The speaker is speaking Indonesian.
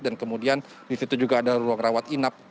dan kemudian di situ juga ada ruang rawat inap